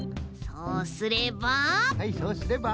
そうすれば？